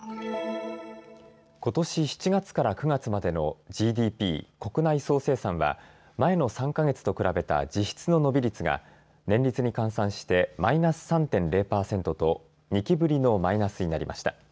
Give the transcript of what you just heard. ことし７月から９月までのＧＤＰ・国内総生産は前の３か月と比べた実質の伸び率が年率に換算してマイナス３．０％と２期ぶりのマイナスになりました。